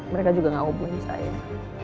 mereka juga gak hubungan saya